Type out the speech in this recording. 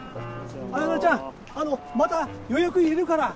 あやなちゃんあのまた予約入れるから。